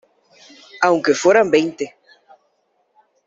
aunque fueran veinte,